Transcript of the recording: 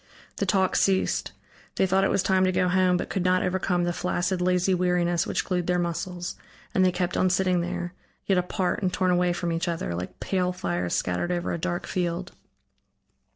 The talk ceased. They thought it was time to go home, but could not overcome the flaccid lazy weariness which glued their muscles, and they kept on sitting there, yet apart and torn away from each other, like pale fires scattered over a dark field.